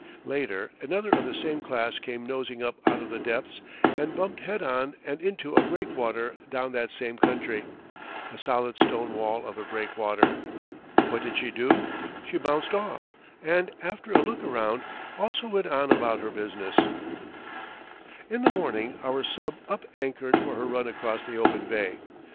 Later another of the same class came nosing up out of the depths, and bumped head on and into a breakwater down that same country a solid stone wall of a breakwater. What did she do? She bounced off, and, after a look around, also went on about her business. In the morning our sub up anchored for her run across the open bay.